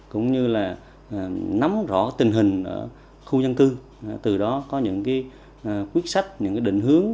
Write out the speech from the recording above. cũng như là nắm rõ tình hình ở khu dân tư từ đó có những cái quyết sách những cái định hướng